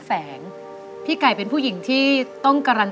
ขอจองในจ่ายของคุณตะกะแตนชลดานั่นเองนะครับ